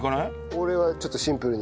俺はちょっとシンプルに。